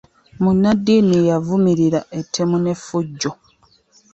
Munadiini yavumirira ettemu n'effujjo.